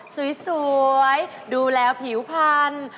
สวยดูแลผิวพันธุ์